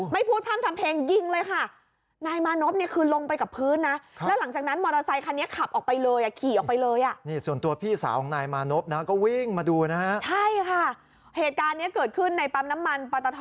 ไม่พูดพร่ำทำเพลงยิงเลยค่ะ